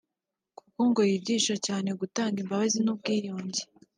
kuko ngo yigisha cyane ku gutanga imbabazi n’ubwiyunge